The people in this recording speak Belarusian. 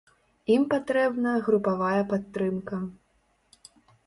Ім патрэбна групавая падтрымка.